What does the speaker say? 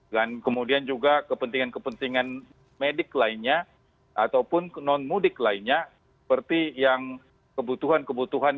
dan kemudian juga kepentingan kepentingan medik lainnya ataupun non mudik lainnya seperti yang kebutuhan kebutuhan